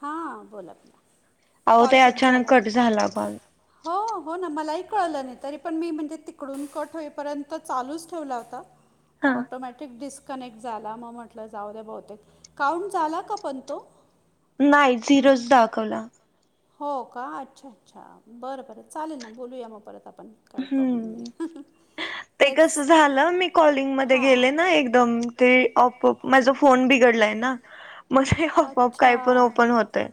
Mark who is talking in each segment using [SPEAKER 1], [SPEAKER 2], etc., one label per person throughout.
[SPEAKER 1] हां बोलत [inaudible] ना कॉल कट झाला हो, हो ना मलाही कळलं नाही. तरी पण मी म्हणजे तिकडून कठ होईपर्यंत चालूच ठेवला होता. मग ऑटोमॅटिक डिस्कनेक्ट झाला मग म्हटलं जाऊ दे बहुतेक काउंट झाला का पण तो.
[SPEAKER 2] नाही झिरोज दाखवला.
[SPEAKER 1] हो का अच्छा अच्छा बरं बरं चालेल ना बोलूया मग परत आपण काही प्रॉब्लेम नाही
[SPEAKER 2] ते कस झालं मी कॉलिंग मध्ये गेले ना एकदम ते अपोप माझ फोन बिघडलाय ना. मग ते आपोप काही पण ओपण होतय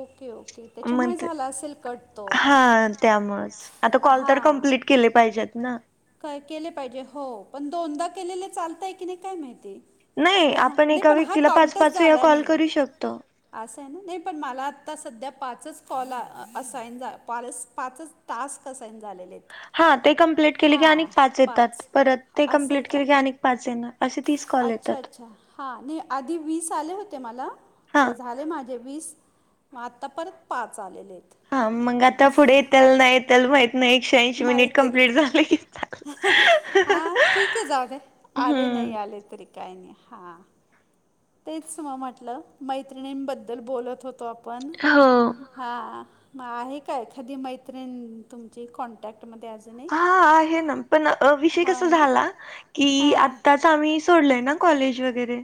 [SPEAKER 1] ओके ओके त्याच्यामुळे झाला असेल कट तो
[SPEAKER 2] हा त्यामुळेच आता कॉल तर कम्प्लीट केले पाहिजेत ना
[SPEAKER 1] काय केले पाहिजे हो पण दोनदा केलेले चालतय की नाही काय माहिती
[SPEAKER 2] नाही आपण एका व्यक्तीला पाच पाच वेळा कॉल करू शकतो
[SPEAKER 1] असं आहे ना नाही पण मला आता सध्या पाचच कॉल असाईन पा पाचच टास्क असाइन झालेले आहेत.
[SPEAKER 2] हा ते कमप्लीट केले की अनेक पाच येतात परत ते कमप्लीट केले की अनेक पाच येनार
[SPEAKER 1] अच्छा अच्छा हा नाही आधी वीस आले होते मला. ते झाले माझे वीस. म आत्ता परत पाच आलेले आहेत.
[SPEAKER 2] हा मग आता पुढे येताल नाही येताल माहित नाही एकशे ऐंशी मिनिट कंप्लीट झालं की,
[SPEAKER 1] हा ठीक आहे जाऊ दे, आले नाही आले तरी काय नाही हा. तेच म म्हटलं मैत्रिणींबद्दल बोलत होतो आपण हो हा म आहे का एखादी मैत्रिण तुमची कॉन्टॅक्टमध्ये अजून
[SPEAKER 2] हा आहे ना पण विषय कसा झाला की आता, आम्ही सोडले ना कॉलेज वगैरे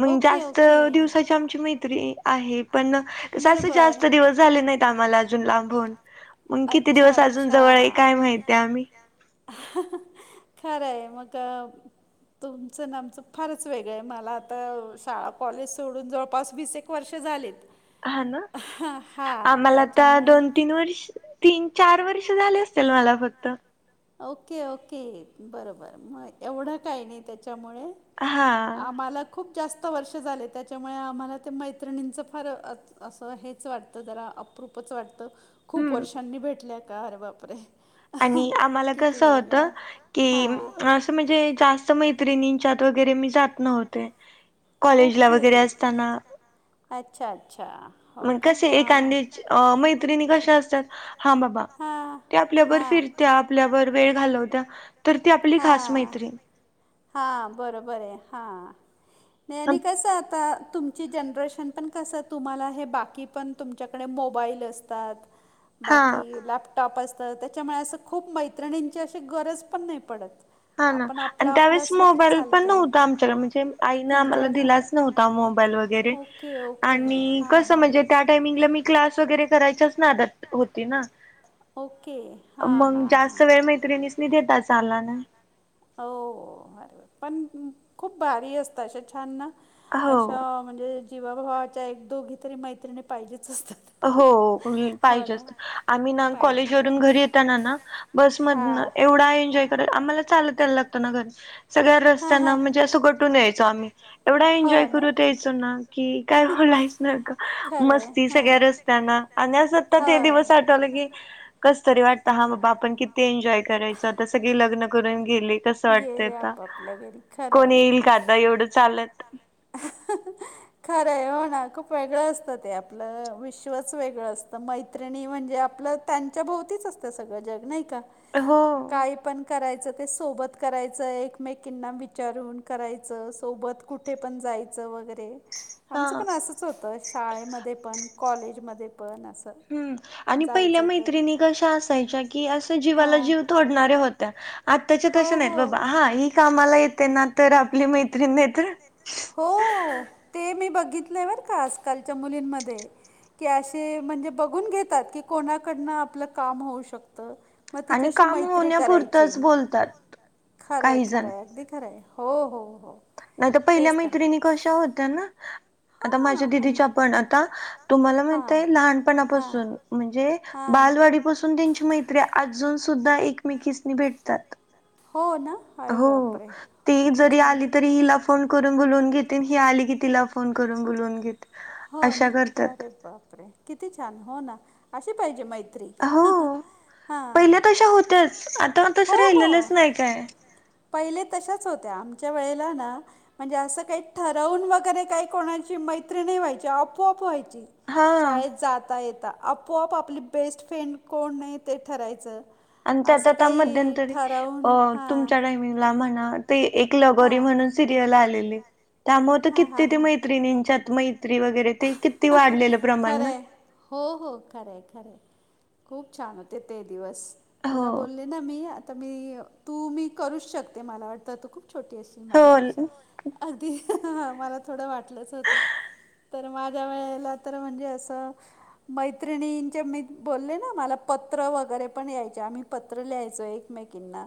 [SPEAKER 2] मग जास्त दिवसाची आमची मै तरी आहे पण जास्त दिवस झाले नाहीत आम्हाला अजून लांब होऊन, मग किती दिवस अजून जवळ आहे काय माहिती आम्ही,
[SPEAKER 1] खरं आहे मग- तुमचं न आमचं फारच वेगळं आहे मला आता शाळा कॉलेज सोडून जवळपास वीस एक- वर्ष झालेत.
[SPEAKER 2] हा ना आम्हाला आता दोन तीन वर्ष, चार वर्ष झाले असतील मला फक्त
[SPEAKER 1] ओके ओके बरबर मग एवढं काय नाही त्याच्यामुळे, आम्हाला खूप जास्त वर्ष झाले त्याच्यामुळे आम्हाला ते मैत्रिणींच खरं असं हेच वाटतं जरा अप्रूपच वाटतं. खूप वर्षांनी भेटल्या का अरे बाप रे!
[SPEAKER 2] आणि आम्हाला कसं होत की, अस म्हणजे जास्त मैत्रिणींच्यात वगैरे मी जात नव्हते. कॉलेजला वगैरे असताना.
[SPEAKER 1] अच्छा अच्छा.
[SPEAKER 2] मग कसे एकादीं मैत्रिणी कशी असतात हा बाबा- ते आपल्याबर फिरत्या, आपल्याबर वेळ घालवत्या तर ती आपली खास मैत्रीण.
[SPEAKER 1] हा बर बर आहे हा आणि कस आता तुम- तुमची जनरेशन पण कस तुम्हाला हे बाकी पण तुमच्याकडे मोबाईल असतात. बाकी लॅपटॉप असतं त्याच्यामुळे असं खूप मैत्रिणींची अशी गरज पण नाही पडत.
[SPEAKER 2] हा ना आणि त्यावेळेस - मोबाईल पण नव्हता आमच्याला म्हणजे आईने आम्हाला दिलाच नव्हता मोबाईल वगैरे, आणि कसं म्हणजे त्या टायमिंगला मी क्लास वगैरे करायचीच ना त्यात होती ना.
[SPEAKER 1] ओके
[SPEAKER 2] मंग जास्त वेळ मैत्रिणीसनी देेताच आला नाही
[SPEAKER 1] हो पण खूप भारी असतं अे छान ना अशा म्हणजे जीवाभावाच्या एक दोघी तरी मैत्रिणी पाहिजेच असतात
[SPEAKER 2] हो पाहिजेच आम्ही ना कॉलेज वरुन घरी येताना ना बस मधन एवाढा एन्जॉय खर आम्हाला चालत त्यायला लागतो ना घर सगळ्या रस्त्यांना म्हणजे असं गटून यायचो आम्ही एवढा एन्जॉय करत यायचोना की काय बोलायचं नकोच मस्तीच सगळ्या रस्त्यांना आणि ते दिवस आठव की कसतरी वाटत हा आपण कि ती एन्जॉय करायचो आता सगळी लग्न करून गेली कस वाटतय आता कोण येईल का आता एवढं चालत
[SPEAKER 1] खरं आहे हो ना खूप वेगळं असतं ते आपलं विश्वच वेगळं असतं मै त्रिणी म्हणजे आपलं त्यांच्या भोवतीच असत सगळं जग नाही का
[SPEAKER 2] हो
[SPEAKER 1] पण करायचं ते सोबत करायचं एकमेकींना विचारून करायचं सोबत कुठे पण जायचं वगैरे आमचं पण असंच होतं शाळेमध्ये पण कॉलेजमध्ये पण असं
[SPEAKER 2] हम्म आणि पहिल्या मैत्रिणी कशा असायच्या की असं जीवाला जीव तोडणाऱ्या होत त्या आत्ताच्या तसं नाहीत बाबा हा ही कामाला येते ना तर आपली मैत्रीण नाहीतर
[SPEAKER 1] हो ते मी बघितलं बर का आजकालच्या मुलींमध्ये की असे म्हणजे बघून घेतात की कोणाकडन आपलं काम होऊ शकतं मग तिच्याशी मैत्री करायची खरंय, खरंय अगदी खरंय हो, हो, हो
[SPEAKER 2] नाही तर पहिल्या मैत्रिणी कशा होत्या ना आता माझ्या दिदीच्या पण आता तुम्हाला माहित आहे लहानपणापासून म्हणजे बालवाडीपासून त्यांची मैत्री अजून सुद्धा एकमेकीसनी भेटतात
[SPEAKER 1] हो ना
[SPEAKER 2] हो ते ही जरी आली तरी हिला फो फोन करून बोलवून घेते ही आली की तिला फोन करून बोलवून घेते
[SPEAKER 1] हो ना अरे बापरे किती छान हो ना अशी पाहिजे मैत्री हा हो, हो पहिले तशाच होत्या आमच्या वेळेला ना म्हणजे असं काही ठरवून वगैरे काही कोणाची मैत्री नाही व्हायची ती आपोआप व्हायची शाळेत जाता, येेता आपोआप आपली बेस्ट फ्रेंड कोण नाही ते ठरायचं
[SPEAKER 2] आणि त्यात आता मध्यंतरी अ तुमच्या टाइमिंगला म्हणा ते एक लगोरी म्हणून सिरियल आलेली त्यामुळे तर किती त्या मैत्रिणींच्या मै त्री वगैरे ते किती वाढलेलं प्रमाण ना
[SPEAKER 1] हो, हो खरं आहे खरं आहे खूप छान होत ते ते दिवस तुला बोलले ना मी आत तर मी तू मी करूच शकते मला वाटतं तू खूप छोटी असशील माझ्यापेक्षा अगदी मला थोडं वाटलंच होतं तर माझ्या वेळेला तर म्हणजे असं मैत्रिणींचे मी बोलले ना मला पत्र वगैरे पण यायचे आम्ही पत्र लिहायचो एकमेकींना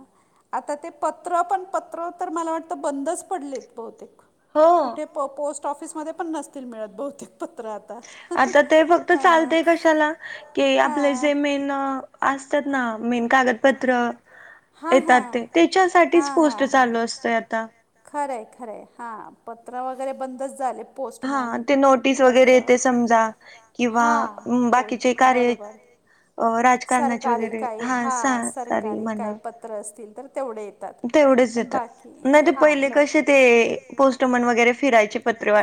[SPEAKER 1] आता ते पत्र पण पत्र तर मला वाटतं बंदच पडलेत बहुतेक
[SPEAKER 2] हो हो
[SPEAKER 1] पो पोस्ट ऑफिसमध्ये पण नसतील मिळत बहुतेक पत्र आता
[SPEAKER 2] आता ते फक्त चालतय कशाला की आपले जे मेन असत्यात ना मेन कागद पत्र येतात ते त्याच्यासाठीच पोस्ट चालू असतंय आता
[SPEAKER 1] खरंय खरंय हा पत्र वगैरे बंदच झाले पोस्टमन पत्र हा प बरोबर सरकारी काही हा सरकारी काही पत्र असतील तर तेवढे येत पण बाकी हा लो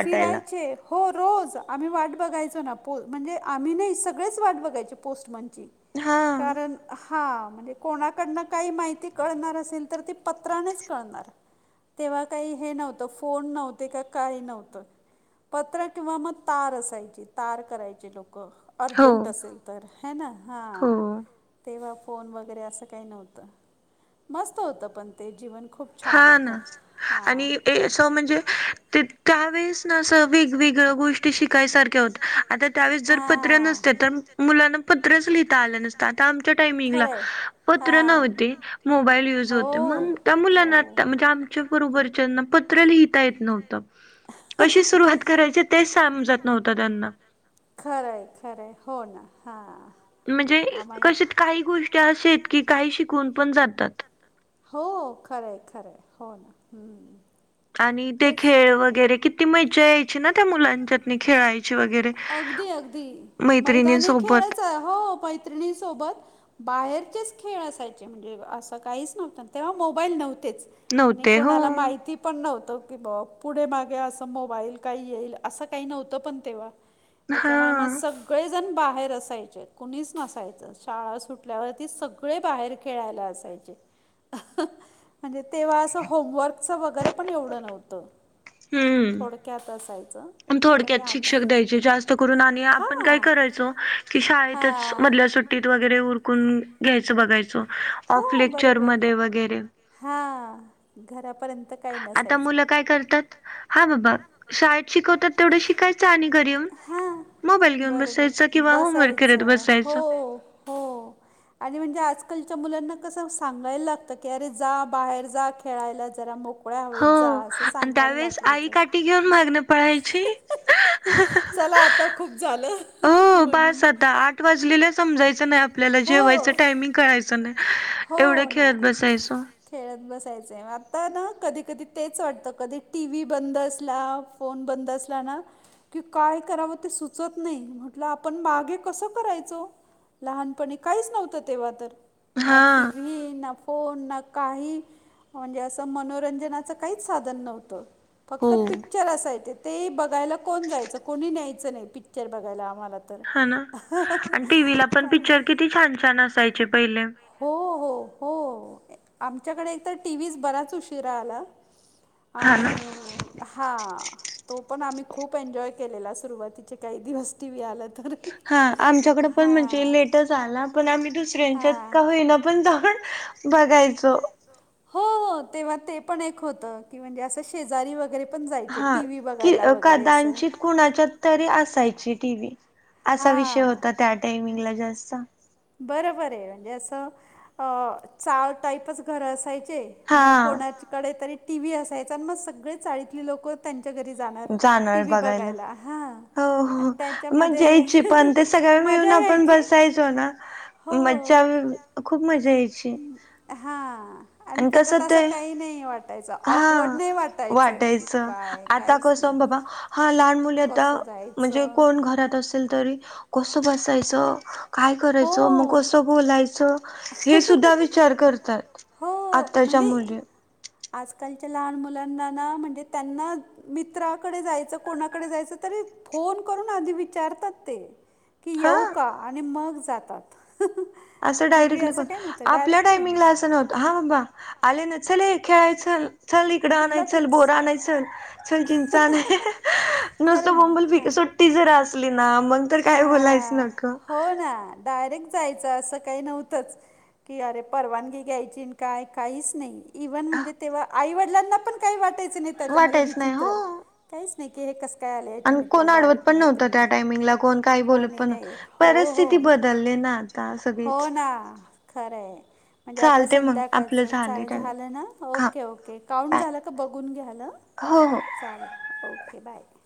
[SPEAKER 1] फिरायचे हो रोज आम्ही वाट बघायचो ना पो म्हणजे आम्ही नाही सगळेच वाट बघायची पोस्टमनची कारण हा म ते कोणाकडन काही माहिती कळणार असेल तर ती पत्रानेच कळणार तेव्हा काही हे नव्हतं फोन नव्हते का काय नव्हतं पत्र किंवा मग तार असायची तार करायचे लोक अर्जंट असेल तर हे ना हा तेव्हा फोन वगैर अरे अस काय नव्हतं मस्त होत पण ते जीवन खूप
[SPEAKER 2] हा ना आणि अस म्हणजे ते त्यावेेळेस ना असं वेगवेगळ्या गोष्टी शिकायसारख्या होत्या आता त्यावेळेस जर पत्र नसते तर मुलांना पत्रच लिहिता आले नसत आता आमच्या टाइमिंगला पत्र नव्हती मोबाईल यूज होत मग त्या मुलांना आता म्हणजे आ आमच्या बरोबरच्यांना पत्र लिहिता येत नव्हत कशी सुरुवात करायच तेच समजत नव्हतं त्यांना
[SPEAKER 1] खरं आहे खरं आहे हो ना हां
[SPEAKER 2] म्हणजे कशे आहेत काही गोष्टी अशा आहेत की काही शिकून पण जातात
[SPEAKER 1] हो खरं आहे खरं आहे हो ना हू
[SPEAKER 2] आणि ते खेळ वगैरे किती मजा यायची ना त्या मुलांच्यात मी खेळायची वगैरे मैत्रिणींसोबत
[SPEAKER 1] मैत्रिणींसोबत बाहेरचेच खेळ असायचे म्हणजे असं काहीच नव्हतं तेव्हा मोबाईल नव्हतेच आणि कोणाला माहिती पण नव्हतं ब पुढे मागे असं मोबाईल काही येईल असं काही नव्हतं पण तेव्हा त्याच्यामुळे मग सग सगळेजण बाहेर असायचो कुणीच नसायचं शाळा सुटल्यावरती सगळे बाहेर खेळायला असायचे म्हणजे तेव्हा असं होमवर्कचं वगैरे पण एवढं नव्हतं थोडक्यात असायचं
[SPEAKER 2] थोडक्यात शिक्षक द्यायचे जास्त करून आणि आपण काय करायचो की शाळेतच मधल्या सुट्टी वगैरे उरकून घ्यायचं बघायचो ऑफ लेक्चर मध्ये वगैरे
[SPEAKER 1] हा घरापर्यंत
[SPEAKER 2] आता मुलं काय करतात हा बाबा शाळेत शिकवतात तेवढं शिकायचं आणि घरी येऊन मोबाईल घेऊन बसायच किंवा होमवर्क करत बसायचो
[SPEAKER 1] हो, आणि म्हणजे आज आज कालच्या मुलांना कसं सांगायला लागतं की, अरे, जा बाहेर, जा खेळायला जरा मो
[SPEAKER 2] हो, आणि त्यावेेळेस आई काठी घेऊन मागंन पळायची.
[SPEAKER 1] चला, आता खूप झालं म्हणून.
[SPEAKER 2] आता आठ वाजलेला समजायचं नाही. आपल्याला जेवायचं टायमिंग कळायचं नाही, एवढं खेळत बसायचो.
[SPEAKER 1] खेळत बसायचं, आता ना, कधी-कधी तेच वाटतं, कधी टी व्ही बंद असला. फोन बंद असला नां की काय करावं, ते सुचत नाही म्हटलं, आपण मागे कसं करायचो? लहान पण काहीच नव्हतं तेव्हा तर ना टी व्ही, ना कोण ना काही म्हणजे असं मनोरंजनाचं काहीच साधन नव्हतं. फक्त पिक्चर असायचे. ते ही बघायला कोण जायचं? कोणी न्यायचं नाही पिक्चर बघायला आम्हाला. [unintelligible]
[SPEAKER 2] किती छान-छान असायचे पहिले!
[SPEAKER 1] हो-हो, हो-हो. आमच्याकडे एक तर टी व्हीच बराच उशीरा आला आणि हो. हा, तो पण आम्ही खूप एन्जॉय केलेला सुरुवातीचे काही दिवस टी व्ही आला तर
[SPEAKER 2] हा, आमच्याकडे पण म्हणजे लेटच आला, पण आम्ही दुस त्यांच्यात का होईना, पण जाऊन बघायचो.
[SPEAKER 1] हो-हो. तेव्हा ते पण एक होतं की, म्हणजे असं शेजारी वगैरे
[SPEAKER 2] हा की कदाचित कुणाच्या तरी असायची टी व्ही असा विषय होता. त्या टाइमिंगला जास्त.
[SPEAKER 1] बरोबर ये, म्हणजे असं, अं चाळ टाईपच घरं असायचे. मग कोणाकडे तरी टी व्ही असायच आणि मग सगळे चाळीतली लोक त्यांच्या घरी जाणार टीव्ही बघायला, हा! अन त्याच्यामध्ये मजा यायची.
[SPEAKER 2] ना, मज्जा खूप मजा यायची.
[SPEAKER 1] हा आणि त्याच्यातं असं काही नाही वाटायचं ऑकवर्ड नाही वाटायचं
[SPEAKER 2] आता कसं बाबा हा लहान मुली आहेत. म्हणजे कोण घरात असे ल तरी कसं बसायचं, काय करायचं, मग कसं बोलायचं हे सुद्धा विचार करतात आताच्या मुली
[SPEAKER 1] आजकालच्या लहान मुलांना ना म्हणजे त्यांना मित्राकडे जायचं, कोणाकडे जायचं, तरी फोन करून आधी विचारतात ते. की, येऊ का? आणि मग जातात.
[SPEAKER 2] असं डायरेक्टली कोण आपल्या टायमिंगला असं नव्हतं, हां बाबा आले न चले खेळाय चल चल इकडं आणाय चल, बोर आणाय, चल चिंचा आणय नुसत बोंबील फकीरचंद सूट ती जरा असली ना, मग तर काय बोलायचं नको
[SPEAKER 1] डायरेक्ट जायचं, असं काही नव्हतंच की, अरे, परवानगी घ्यायची, काय काहीच नाही, इव्हन म्हणजे आई-वडिलांना पण काही वाटायचं नाही त्याच्यामध्ये विचित्र काहीच नाही की, हे कसं काय, आले याचे मित्र? डायरेक्ट नाहीतर नाही, कोणी नाही. हो-हो. हो ना, खरंय. म्हणजे आता संध्याकाळचं चाल झालं ना ओके-ओके. काउंट झालं का, बघून घ्याल. चालेल, ओके, बाय.